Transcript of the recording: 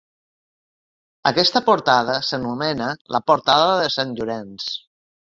Aquesta portada s'anomena la Portada de Sant Llorenç.